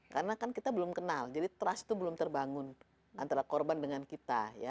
karena kan kita belum kenal jadi trust itu belum terbangun antara korban dengan kita